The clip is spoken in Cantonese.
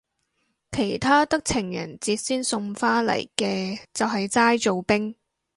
其他得情人節先送花嚟嘅就係齋做兵